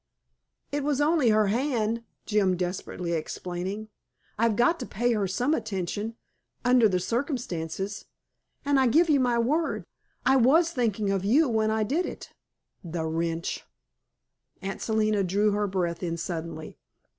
"It was only her hand," Jim, desperately explaining. "I've got to pay her some attention, under the circumstances. And I give you my word, I was thinking of you when I did it." THE WRETCH! Aunt Selina drew her breath in suddenly.